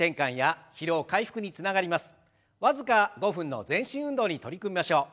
僅か５分の全身運動に取り組みましょう。